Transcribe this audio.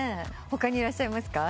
他にいらっしゃいますか？